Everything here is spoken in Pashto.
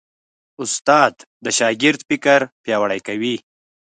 استاد د شاګرد فکر پیاوړی کوي.